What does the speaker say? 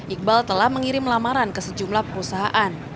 iqbal telah mengirim lamaran ke sejumlah perusahaan